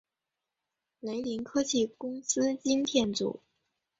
雷凌科技公司晶片组。